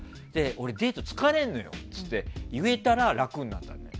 俺デート疲れるのよって言えたら楽になった。